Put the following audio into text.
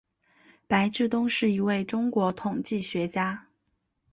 白志东是一位中国统计学家。